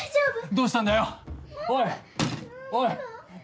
どうしたんだよおい。